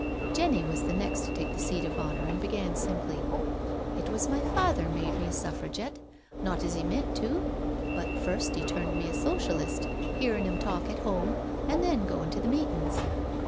Jenny was the next to take the seat of honour, and began simply: " It was my father made me a Suffra gette — not as he meant to — but first he turned me a Socialist, hearin' him talk at home an' then goin' to the meetin*s.